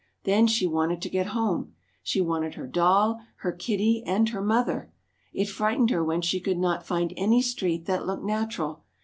Then she wanted to get home. She wanted her doll, her kitty, and her mother! It frightened her when she could not find any street that looked natural.